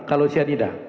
kalau si adida